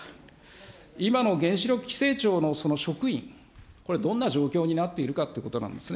今の原子力規制庁のその職員、これ、どんな状況になっているかということなんですね。